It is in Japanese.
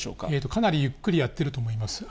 かなりゆっくりやってると思います。